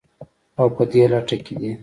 او په دې لټه کې دي